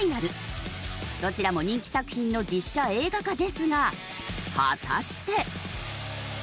どちらも人気作品の実写映画化ですが果たして。